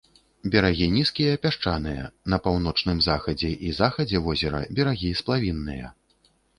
Берагі нізкія, пясчаныя, на паўночным захадзе і захадзе возера берагі сплавінныя.